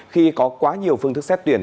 khi có quá nhiều phương thức xét tuyển